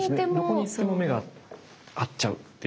どこに行っても目が合っちゃうっていう。